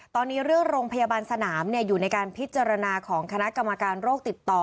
ตอนนี้เรื่องโรงพยาบาลสนามอยู่ในการพิจารณาของคณะกรรมการโรคติดต่อ